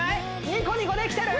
ニコニコできてる？